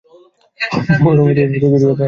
পরবর্তী প্রতিযোগিঃ হাল্ক।